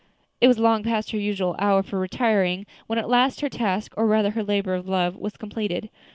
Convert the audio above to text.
It was long past her usual hour for retiring when at last her task, or rather her labor of love, was completed.